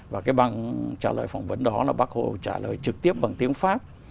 và cái bằng trả lời phỏng vấn đó là bác hồ trả lời trực tiếp bằng tiếng pháp